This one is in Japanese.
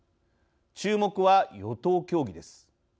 注目は与党協議です。